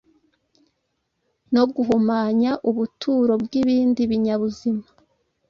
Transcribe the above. no guhumanya ubuturo bw’ibindi binyabuzima